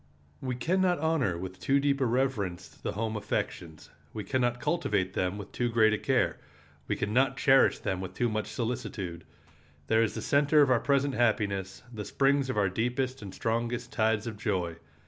We can not honor with too deep a reverence the home affections; we can not cultivate them with too great a care; we can not cherish them with too much solicitude. There is the center of our present happiness, the springs of our deepest and strongest tides of joy.